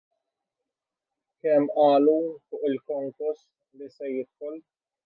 Kemm qalu fuq il-konkos li se jidħol!